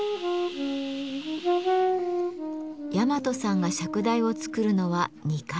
山戸さんが釈台を作るのは２回目。